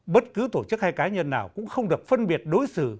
bất cứ tổ chức hay cá nhân nào cũng không được phân biệt đối xử